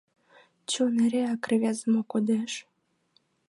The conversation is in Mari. Чон эреак рвезе мо кодеш?